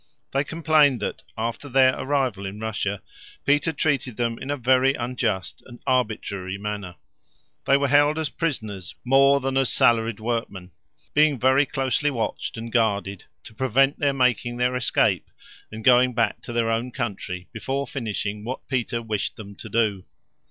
They complained that, after their arrival in Russia, Peter treated them in a very unjust and arbitrary manner. They were held as prisoners more than as salaried workmen, being very closely watched and guarded to prevent their making their escape and going back to their own country before finishing what Peter wished them to do.